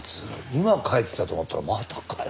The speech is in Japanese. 今帰ってきたと思ったらまたかよ。